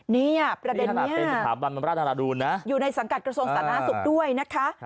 นี่ประเด็นนี้อยู่ในสังกัดกระทรวงศาลนาศุกร์ด้วยนะคะ